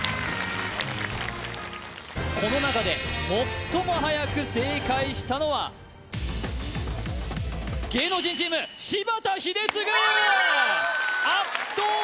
この中で最もはやく正解したのは芸能人チーム柴田英嗣圧倒的